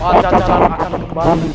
pajajaran akan berkembang